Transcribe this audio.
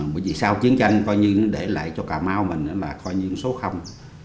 bởi vì sau chiến tranh coi như để lại cho cà mau mình là coi như số không